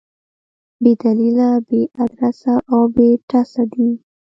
بې دلیله، بې ادرسه او بې ټسه دي.